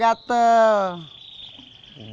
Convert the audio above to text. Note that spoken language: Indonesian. jadi kepala gak gatel